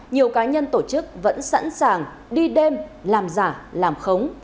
nhiều cá nhân tổ chức vẫn sẵn sàng đi đêm làm giả làm khống